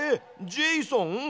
ジェイソン？